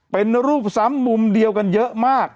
เป็นรูปซ้ำมุมเดียวกันเยอะมาก